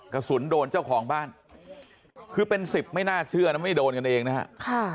กระสุนโดนเจ้าของบ้านคือเป็นสิบไม่น่าเชื่อนะไม่โดนกันเองนะฮะ